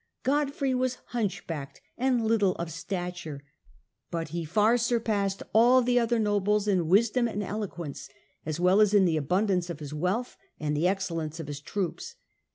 Godfrey was Gerstungen hunchbacked and little of stature, but he far surpassed all the other nobles in wisdom and eloquence, as well as in the abundance of his wealbh and the ex cellence of his troops.